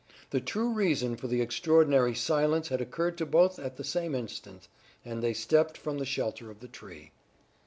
The true reason for the extraordinary silence had occurred to both at the same instant, and they stepped from the shelter of the tree.